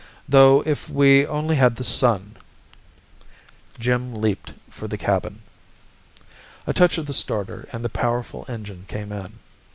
Though if we only had the sun " Jim leaped for the cabin. A touch of the starter and the powerful engine came in.